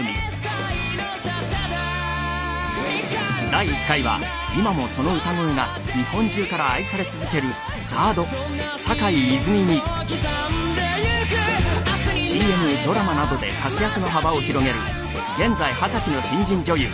第１回は今もその歌声が日本中から愛され続けるＺＡＲＤ坂井泉水にＣＭドラマなどで活躍の幅を広げる現在二十歳の新人女優